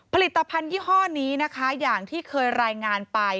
ผลิตภัณฑ์ยี่ห้อนี้นะคะอย่างที่เคยรายงานไป